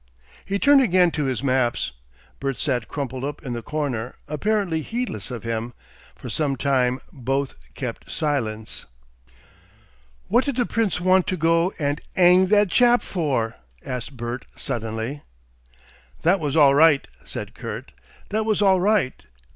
He turned again to his maps. Bert sat crumpled up in the corner, apparently heedless of him. For some time both kept silence. "What did the Prince want to go and 'ang that chap for?" asked Bert, suddenly. "That was all right," said Kurt, "that was all right.